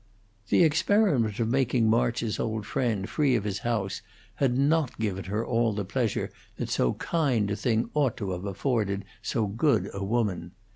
The experiment of making March's old friend free of his house had not given her all the pleasure that so kind a thing ought to have afforded so good a woman.